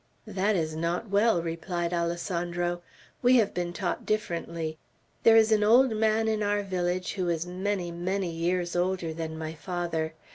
"That is not well," replied Alessandro. "We have been taught differently. There is an old man in our village who is many, many years older than my father.